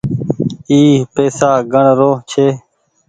اي پئيسا گڻ رو ڇي۔